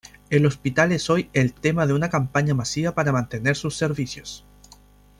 El hospital es hoy el tema de una campaña masiva para mantener sus servicios.